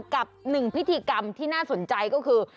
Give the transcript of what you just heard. กับหนึ่งพิธีกรรมที่น่าสนใจก็คือ